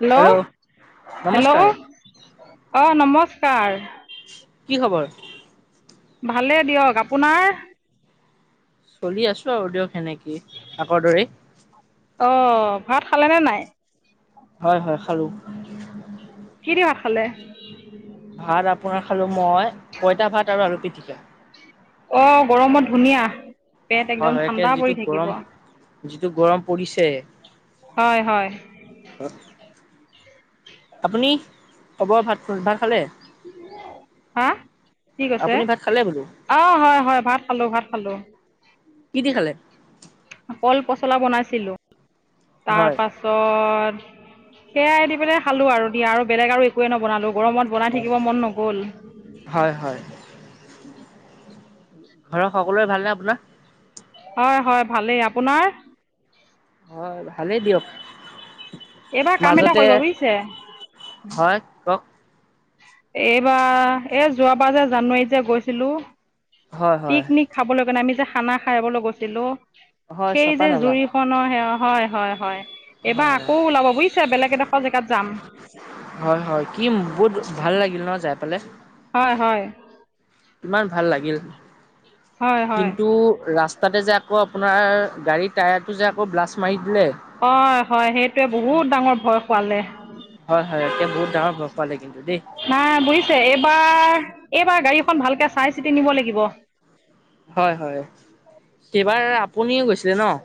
Hello নমস্কাৰ hello. অ' নমস্কাৰ। কি খবৰ? ভালে দিয়ক আপোনাৰ? চলি আছোঁ আৰু দিয়ক সেনেকেই। আগৰ দৰেই। অ' ভাত খালে নে নাই? হয় হয় খালোঁ। কি দি ভাত খালে? ভাত আপোনাৰ খালোঁ মই, পইতা ভাত আৰু আলু পিটিকা। অ' গৰমত ধুনীয়া। পেট একদম হয় হয় একে ঠাণ্ডা পৰি যিটো থাকিব গৰম, যিটো গৰম পৰিছে। হয় হয় আপুনি খবৰ ভাত, ভাত খালে? হা কি কৈছে? আপুনি ভাত খালে বোলো অ' হয়, হয় ভাত খালোঁ, ভাত খালোঁ। কি দি খালে? কল পচলা বনাইছিলোঁ, হয় তাৰপাছত ত সেয়াই দি পেলাই খালোঁ আৰু দিয়া, আৰু বেলেগ আৰু এ একোৱে নবনালোঁ, গৰমত বনাই থাকিব মন নগ'ল। হয় হয়, ঘৰৰ সকলোৰে ভালনে আপোনাৰ? হয় হয় ভালেই, আপোনাৰ? হয় ভালেই দিয়ক। এইবাৰ কাম এটা কৰিব বুজিছে, সেইত' কওক এইবাৰ এই যোৱা বাৰ যে জানুৱাৰীত যে গৈছিলো, হয় হয় পিকনিক খাবলৈ কাৰণে, আমি যে খানা খাবলৈ গৈছিলো, হয় সেই চপা যে নালা জুই অ' ন' হয় হয় হয় হয় এবাৰ আকৌ ওলাব বুজিছে বেলেগ এডোখৰ জেগাত যাম। হয় হয় কিম বহুত ভাল লাগিল ন' যাই পেলাই? হয় হয়। ইমান ভাল লাগিল, হয় হয় কিন্তু ৰাস্ তাতে যে আকৌ আপোনাৰ গাড়ীৰ টায়াৰটো যে আকৌ, ব্লাষ্ট মাৰি দিলে হয় হয়। সেইটোৱে বহুত ডাঙৰ ভয় খোৱালে। হয় হয় এতিয়া বহুত ডাঙৰ ভয় খোৱালে কিন্তু দেই নাই বুজিছে এইবাৰ এইবাৰ গাড়ীখন ভালকে চাই চিতি নিব লাগিব। হয় হয়, সেইবাৰ আপুনিও গৈছিলে ন'?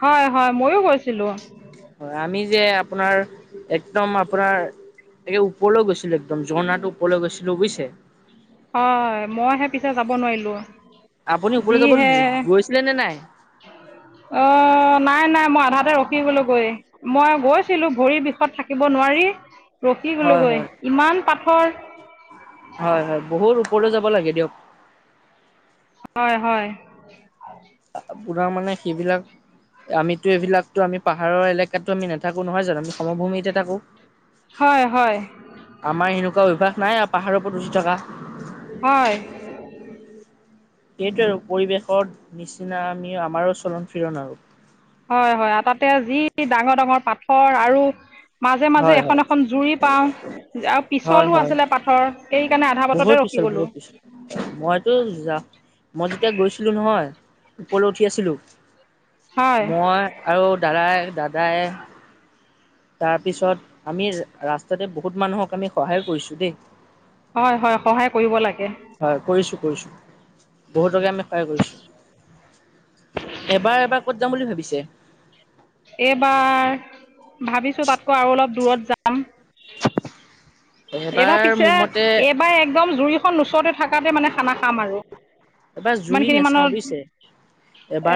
হয় হয় ময়ো গৈছিলো। হয় আমি যে আপোনাৰ একদম আপোনাৰ তাকে ওপৰলৈ গৈছিলো একদম, ঝণাটোৰ ওপৰলে গৈছিলো বুজিছে? হয়, মইহে পিছে যাব নোৱাৰিলো। আপুনি ওপৰলে যাবল গৈছিলে নে নাই? অ' নাই নাই মই আধাতে ৰখি গ'লো গৈ মই গৈছিলো ভৰি বিষত থাকিব নোৱাৰি ৰখি হয় গ'লোগৈ হয় ইমান পাথৰ। হয় হয় বহুত ওপৰলৈ যাব লাগে দিয়ক। হয় হয়। আপোনাৰ মানে সেইবিলাক আমিতো এই বিলাকতো আমি পাহাৰৰ এলেকাততো আমি নথাকো নহয় জানো? আমি সমভূমিত হে থাকো। হয় হয়। আমাৰ এনেকুৱা অভ্যাস নাই আও পাহাৰৰ ওপৰত উঠি থকা। হয়। সেইটোৱে আৰু পৰিৱেশৰ নিচিনা আমি আমাৰো চলন ফিৰণ আৰু। হয় হয় তাতে যিটি ডাঙৰ ডাঙৰ পাথৰ আৰু মাজে মাজে হয় এখন হয় এখন জুৰি পাওঁ। আৰু হয় পিছলো হয় আছিলে পাথৰ, সেইকাৰণে আধা বহুত বাটতে ৰখি পিছল গ'লো। বহুত পিছল মইতো যাম মই যেতিয়া গৈছিলো নহয়, ওপৰলৈ উঠি আছিলো হয় মই আৰু দাদাই, দাদাই তাৰপিছত আমি ৰাস্তাতে বহুত মানুহক আমি সহায় কৰিছো দেই। হয় হয় সহায় কৰিব লাগে হয় কৰিছো কৰিছোঁ, বহুতকে আমি সহায় কৰিছোঁ। এইবাৰ এবাৰ ক'ত যাম বুলি ভাবিছে? এইবাৰ ভাবিছো তাতকৈ আৰু অলপ দূৰত যাম। এইবাৰ মোৰ মতে পাই একদম জুৰি ও এইবাৰ কিমান জুৰি খিনি মানত নেচাওঁ বুজিছে?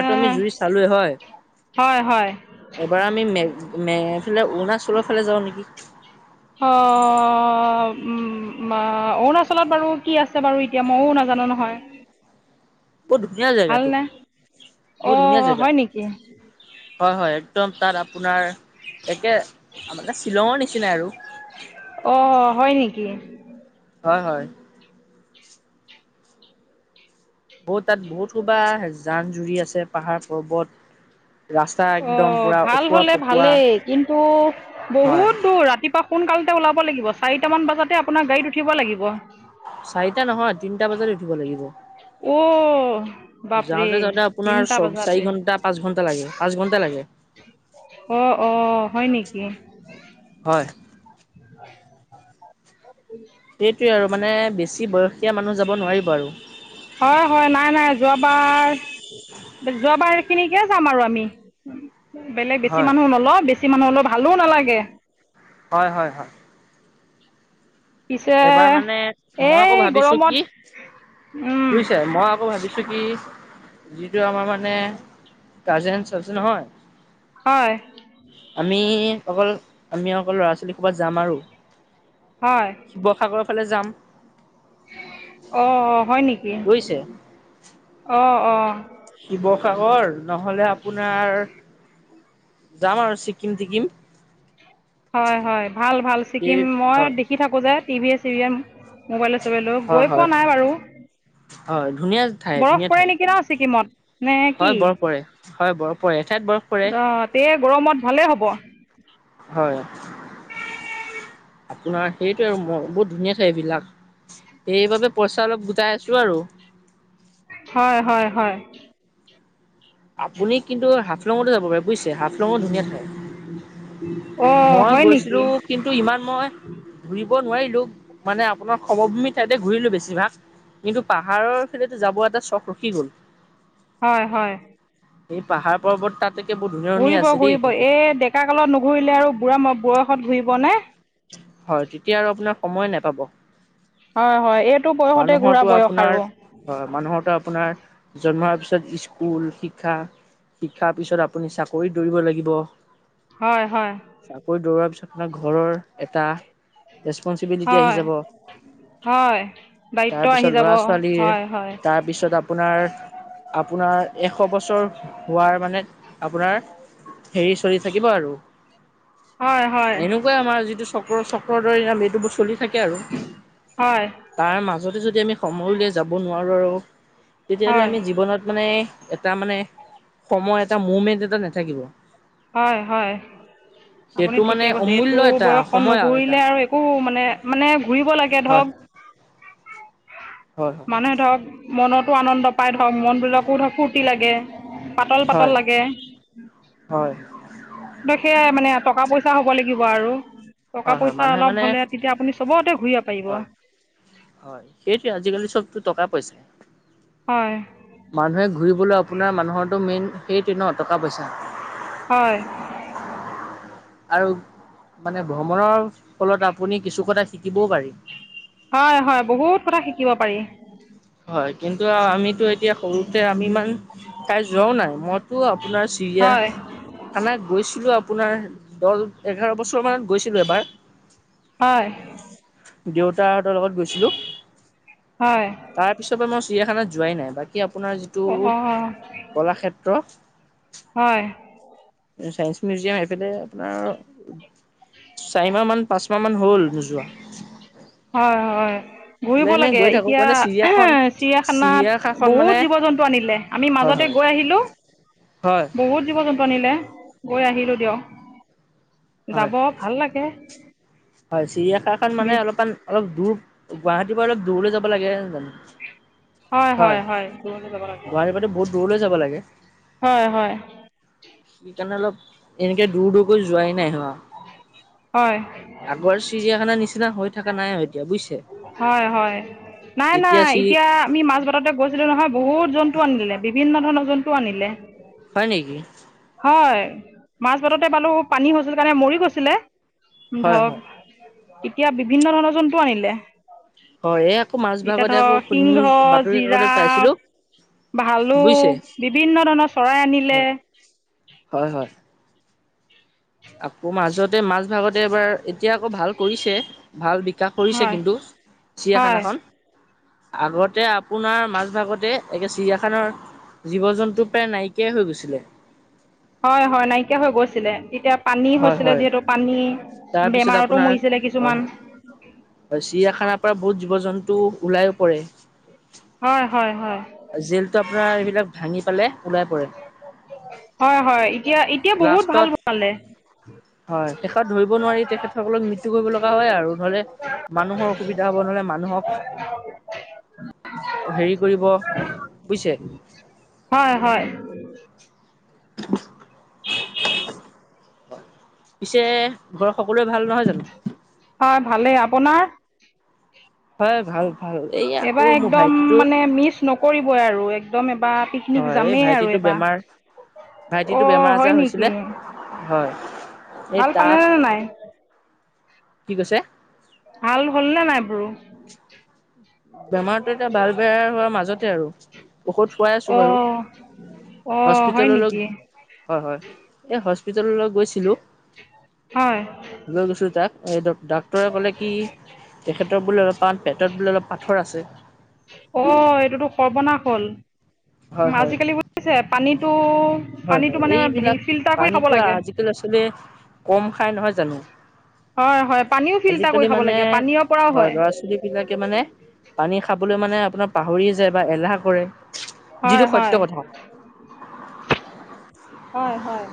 এ জুৰি চালোৱে হয়। হয় হয় এইবাৰ আমি মেঘ মে এইফালে অৰুণাচলৰ ফালে যাওঁ নেকি? অ অ উম অ অৰুণাচলত বাৰু কি আছে বাৰু এতিয়া মও নাজানো নহয়। বহু ধুনীয়া জেগাটো ভালনে অ বহুত ধুনীয়া জেগা। হয় নেকি হয় হয়, একদম তাত আপোনাৰ তাকে মানে শ্বিলঙৰ নিচিনাই আৰু। অ হয় নেকি হয় হয়। বহুত তাত বহুত সোপা জান-জুৰি আছে, পাহাৰ-পৰ্বত অ' ভাল অকোৱা হলে পকোৱা ভালেই। কিন্তু হয় বহুত দূৰ ৰাতিপ পুৱা সোনকালতে ওলাব লাগিব চাৰিটা মান বজাতে আপোনাৰ গাড়ীত উঠিব লাগিব। চাৰিটা নহয়, তিনটা বজাত উঠিব লাগিব। উম'। যাওঁতে যাওঁতে আপোনাৰ চ-চাৰি ঘন্টা, পাঁচ ঘন্টা লাগে পাঁচ ঘন্টা লাগে। অ' অ', হয় নেকি? হয়। [inaudible] [unintelligible] সেইটোৱে আৰু মানে বেছি বয়সীয়া মানুহ যাব নোৱাৰিব আৰু। হয় হয় নাই নাই যোৱাবাৰ [inaudible] যোৱাবাৰ সেইখিনিকে যাম আৰু আমি। বেলেগ বেছি হয় মানুহ নলওঁ, বেছি মানুহ হলেও ভালো নালাগে। হয় হয় হয়। পিছে এইবাৰ মানে মই এই আকৌ ভাবিছো গৰমত কি উম বুজিছে? মই আকৌ ভাবিছোঁ কি যিটো আমাৰ মানে কাজেনছ আছে নহয়। হয়। আমি অকল আমি অকল ল'ৰা-ছোৱালীসোপা যাম আৰু। হয়। শিৱসাগৰৰ ফালে যাম। অ', হয় নেকি? বুজিছে অ', অ। শিৱসাগৰ, নহলে আপোনাৰ যাম আৰু ছিকিম-টিকিম। হয় হয়, ভাল ভাল এই ছিকিম মই হয় দেখি থাকোঁ যে টিভিয়ে চিভিয়ে। মোবাইলে-চোবাইলেও হয় গৈ পোৱা হয় নাই বাৰু। হয়, ধুনীয়া ঠাই বৰফ ধুনীয়া পৰে ঠাই নেকি ন ছিকিমত নে হয় কি বৰফ পৰে। হয়, বৰফ পৰে। এঠাইত বৰফ পৰে অ' তেহে গৰমত ভালে হ'ব। হয়। আপোনাৰ সেইটোৱে আৰু বহুত ধুনীয়াা ঠাই এই বিলাক। সেইবাবে পইচা অলপ গোটাই আছোঁ আৰু। হয় হয় হয়। আপুনি কিন্তু হাফলঙটো যাব পাৰে। বুজিছে? হাফলংও ধুনীয়া ঠাই। অঁ মই হয় নেকি গৈছিলো কিন্তু ইমান মই ঘূৰিব নোৱাৰিলো মানে আপোনাৰ সমভূমি ঠাইতে ঘূৰিলো বেছিভাগ। কিন্তু পাহাৰৰ ফালেতো যাব এটা চখ ৰখি গ'ল। হয় হয়। সেই পাহাৰ-পৰ্বত তাতকে বহুত ধুনীয়া ধুনীয়া ঘূৰিব আছে দেই ঘূৰিব কিন্তু। এই ডেকা কালত নোঘূৰিলে আৰু বুঢ়া বয়সত ঘূৰিবনে। হয় তেতিয়া আৰু আপোনাৰ সময় নাপাব। হয় হয় এইটো বয়সতে ঘুৰা বয়স আপোনাৰ আৰু- হয় হয় মানুহৰ ত আপোনাৰ জন্ম হোৱাৰ পিছত স্কুল শিক্ষা শিক্ষাৰ পিছত আপুনি চাকৰিত দৌৰিব লাগিব- হয়! হয়! চাকৰি দৌৰাৰ পিছত আপোনৰ ঘৰৰ এটা ৰেচপনচিবিলিটি আহি হয় যাব হয় দায়িত্ব আহি যাব হয় হয়। তাৰ পিছত আপোনাৰ আপোনাৰ এশ বছৰ হোৱাৰ মানে আপোনাৰ হেৰি চলি থাকিব আৰু হয় হয় কৈ আমাৰ যিটো চক্ৰৰ চক্ৰৰ দৰে নাম এইটো বোৰ চলি থাকে আৰু হয় তাৰ মাজতে যদি আমি সময় উলিয়াই যাব নোৱাৰোঁ আৰু তেতিয়াহ'লে হয় আমি জীৱনত মানে এটা মানে সময় এটা মুমেণ্ট এটা নাথাকিব হয় হয় আপুনি সেইটো মানে ঠিকে কৈছে অমূল্য এইটো এটা বয়সত সময় এটা নঘূৰিলে আৰু একো মানে মানে ঘূৰিব লাগে হয় ধৰক হয় নে ধৰক মনতো আনন্দ পাই ধৰক মনবিলাকো ধৰক ফুৰ্টি লাগে পাতল পাতল হয় লাগে হয় বাক সেয়াই মানে টকা পইচা হ'ব লাগিব আৰু টকা হয় হয় পইচা মানুহে অলপ মানে হলে তেতিয়া আপুনি চবতে ঘূৰিব পাৰিব হয় হয় সেইটোৱে আজিকালি চবতো টকা পইচা হয় মানুহে ঘূৰিবলৈ আপোনাৰ মানুহৰটো মেইন সেইটোৱে ন টকা পইচা হয় আৰু মানে ভ্ৰমণৰ ফলত আপুনি কিছু কথা শিকিবও পাৰি হয় হয় বহুত কথা শিকিব পাৰি হয় কিন্তু আ আমিতো এতিয়া সৰুতে আমি ইমান তাই যোৱাও নাই মইতো আপোনাৰ চিৰিয়া হয় খানা গৈছিলো আপোনাৰ দহ এঘাৰ বছৰ মানত গৈছিলো এবাৰ হয় দেউতাহঁতৰ লগত গৈছিলোঁ হয় তাৰ পিছৰ পা মই চিৰিয়াখানাত যোৱাই নাই বাক কি আপোনাৰ যিটো অঁ হয় কলাক্ষেত্ৰ চাইস মিউজিয়াম এফালে আপোনাৰ চাৰি মাহ মান পাচ মাহ মান হ'ল নোযোৱা হয় হয় বোলে ঘূৰিব এনে লাগে গৈ থাকো এতিয়া মানে চিৰিয়াখন চিৰিয়াখানাত চিৰিয়াখাখন মানে বহুত জীৱ জন্তু আনিলে আমি হয় মাজতে হয় গৈ আহিলো হয় বহুত জীৱ জন্তু বনিলে গৈ আহিলো দিয়ক হয় যাব ভাল লাগে হয় চিৰিয়াখাখন বি মানে অলপমান অলপ দূৰ গুৱাহাটীৰ পা অলপ দূৰলে যাব লাগে নহয় জানো হয় হয় হয় দূৰলে যাব লাগে দূৰলে যাব লাগে হয় হয়। সিকাৰণে অলপ এনেকে দূৰ দূৰকৈ যোৱাই নাই হো। হয় আগৰ চিৰিয়াখানাৰ নিচিনা হৈ থকা নাই আৰু এতিয়া বুজিছে। হয় নাই নাই এতিয়া আমি মাছ ততে গৈছিলে নহয় বহুত জন্তু আনিলে, বিভিন্ন ধৰণৰ জন্তু আনিলে। হয় নেকি? হয় মাছ বাততে পালো, পানী হৈছিল কাৰণে মৰি গৈছিলে। হয় হয় ধৰক এতিয়া বিভিন্ন ধৰণৰ জন্তু আনিলে। হয় এই আকৌ মাজ এতিয়া ভাগতে আকৌ ধৰ নিউজ সিংহ বাতৰি কাকতত পাইছিলো জিৰাফ বুজিছে ভালুক বিভিন্ন ধৰণৰ চৰাই আনিলে। হয় হয় হয়। আকৌ মাজতে মাজ ভাগত তাতে এবাৰ, এতিয়া আকৌ ভাল কৰিছে ভাল বিকাশ কৰিছে হয় কিন্তু হয় চিৰিয়াখানাখন। আগতে আপোনাৰ মাজ ভাগতে তাকে চিৰিয়াখানৰ জীৱ-জন্তু প্ৰায় নাইকিয়াই হৈ গৈছিলে। হয় হয় নাইকিয়া হৈ গৈছিলে তেতিয়া পানী হয় হৈছিলে হয় যিহেতু পানী, তাৰপিছত বেমাৰতো আপোনাৰ মৰিছিলে হয় কিছুমান। হয় চিৰিয়াখানাৰ পৰা বহুত জীৱ-জন্তু ওলাই ও পৰে। হয় হয় হয়। জেলটো আপোনাৰ এইবিলাক ভাঙি পেলাই ওলাই পৰে হয় হয় এতিয়া এতিয়া বহুত ভাল লাষ্টত বনালে। হয় শেষত ধৰিব নোৱাৰি তেখেতসকলক মৃত্যু কৰিব লগা হয় আৰু নহ'লে মানুহৰ অসুবিধা হ'ব নহ'লে মানুহক [unintelligible] হেৰি কৰিব বুজিছে? হয় হয়। [inaudible] পিছে ঘৰৰ সকলোৱে ভাল নহয় জানো? হয় ভালেই। আপোনাৰ? হয় ভাল ভাল। এই আকৌ এইবাৰ মোৰ একদম ভাইটিটোৰ মানে মিছ নকৰিবই আৰু একদম এবাৰ পিকনিক হয় এই যামেই আৰু ভাইটিটো এবাৰ বেমাৰ ভাইটিতো অ' হয় বেমাৰ-আজাৰ নেকি হৈছিলে হয়। এই ভাল তাক পালেনে নাই কি কৈছে? ভাল হ'লনে নাই বোৰো? বেমাৰতো এতিয়া ভাল বেয়া হোৱাৰ মাজতে আৰু ঔষধ খোৱাই আছো বাৰু। অহ। অ হয় হস্পিতাললৈ নেকি? হয় হয় এই হস্পিতাললৈ গৈছিলো। হয় লৈ গৈছো তাক, এই ডাক্তৰে ক'লে কি তেখেতৰ বোলে অলপমান পেটত বোলে অলপ পাথৰ আছে। অ এইটোতো সৰ্বনাশ হ'ল। হয় উম, হয়, আজিকালি বুজিছে পানীটো হয় পানীটো হয় মানে এইবিলাক হেৰি ফিল্টাৰ কৰি খাব পানীতো লাগে আজিকালি আচলতে কম খাই নহয় জানো। হয় হয় পানীও ফিল্টাৰ কৰি আজিকালি খাব মানে লাগে পানীৰ পৰাও হয় ল'ৰা-ছোৱালীক বিলাকে মানে পানী খাবলৈ মানে আপোনাৰ পাহৰিয়ে যায় বা এলাহ কৰে। হয় যিটো সত্য হয় কথা হয় হয়